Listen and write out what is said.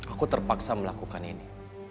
aku terpaksa melakukan ini